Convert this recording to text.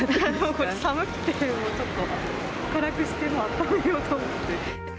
これ、寒くて、もうちょっと、辛くしてあっためようと思って。